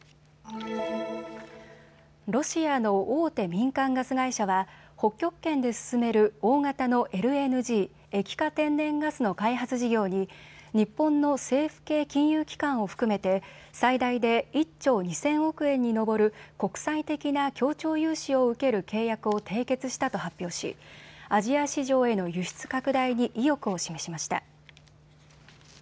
ロシアの大手民間ガス会社は北極圏で進める大型のＬＮＧ・液化天然ガスの開発事業に日本の政府系金融機関を含めて最大で１兆２０００億円に上る国際的な協調融資を受ける契約を締結したと発表し、アジア市場への輸出拡大に意欲を示しました。